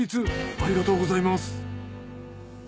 ありがとうございます。